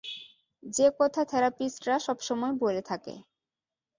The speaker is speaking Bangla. যে কথা থেরাপিস্টরা সবসময় বলে থাকে।